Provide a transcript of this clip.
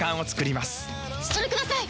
それください！